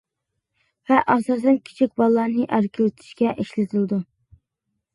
ۋە ئاساسەن كىچىك بالىلارنى ئەركىلىتىشكە ئىشلىتىلىدۇ.